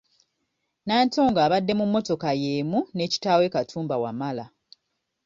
Nantongo abadde mu mmotoka yeemu ne kitaawe Katumba Wamala.